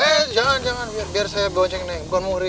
eh jangan jangan biar saya bonceng neng bukan muhri